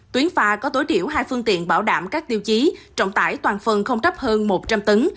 tuyến phà có tối thiểu hai phương tiện bảo đảm các tiêu chí trọng tải toàn phần không thấp hơn một trăm linh tấn